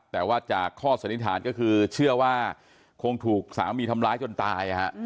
แต่ว่าจากข้อสันนิษฐานก็คือเชื่อว่าคงถูกสามีทำร้ายจนตาย